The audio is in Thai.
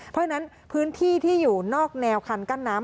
เพราะฉะนั้นพื้นที่ที่อยู่นอกแนวคันกั้นน้ำ